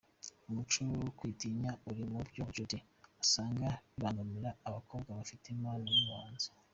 Umuco wo kwitinya uri mu byo Jodi asanga bibangamira abakobwa bafite impano y’ubuhanzi